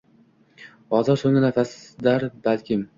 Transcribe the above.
Hozir soʻnggi nafasdir balkim.